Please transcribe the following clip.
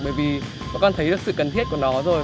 bởi vì bọn con thấy được sự cần thiết của nó rồi